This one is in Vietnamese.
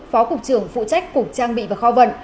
phó cục trưởng phụ trách cục trang bị và kho vận